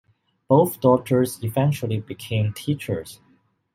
Both daughters eventually became teachers.